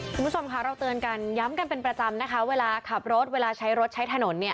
คุณผู้ชมค่ะเราเตือนกันย้ำกันเป็นประจำนะคะเวลาขับรถเวลาใช้รถใช้ถนนเนี่ย